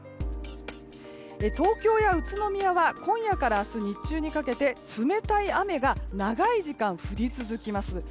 東京や宇都宮は今夜から明日日中にかけて冷たい雨が長い時間降り続きます。